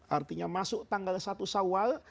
artinya masuk tanggal satu sawal